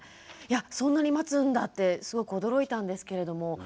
いやそんなに待つんだってすごく驚いたんですけれども。